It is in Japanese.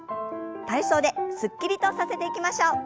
体操ですっきりとさせていきましょう。